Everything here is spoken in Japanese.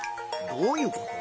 どういうこと？